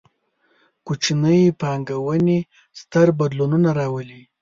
کوچنۍ پانګونې، ستر بدلونونه راولي